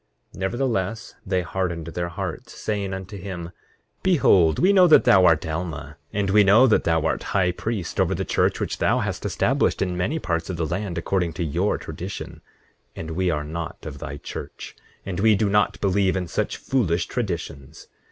8:11 Nevertheless, they hardened their hearts, saying unto him: Behold, we know that thou art Alma; and we know that thou art high priest over the church which thou hast established in many parts of the land, according to your tradition; and we are not of thy church, and we do not believe in such foolish traditions.